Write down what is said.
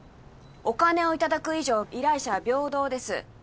お金をいただく以上依頼者は平等です